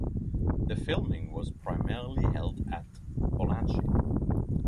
The filming was primarily held at Pollachi.